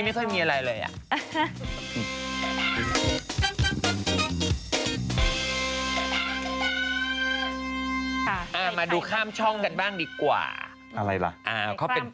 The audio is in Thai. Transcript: อยากมีเรื่องอะไรบ้างสักครู่เดียวครับ